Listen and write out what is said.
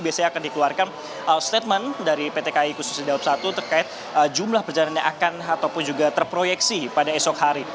biasanya akan dikeluarkan statement dari pt kai khusus daob satu terkait jumlah perjalanan yang akan ataupun juga terproyeksi pada esok hari